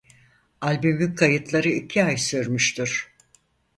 Albümün kayıtları iki ay sürmüştür.